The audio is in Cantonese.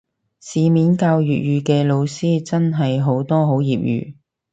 市面教粵語嘅老師真係好多好業餘